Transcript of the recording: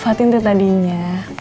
fatin teh tadinya